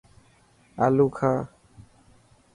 آلو کاهه.